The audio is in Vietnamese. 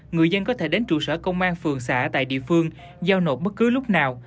người dân có thể đến trụ sở công an phường xã tại địa phương giao nộp bất cứ lúc nào